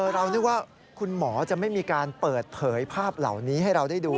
เรานึกว่าคุณหมอจะไม่มีการเปิดเผยภาพเหล่านี้ให้เราได้ดู